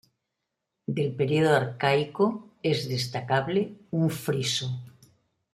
Del periodo arcaico es destacable un friso.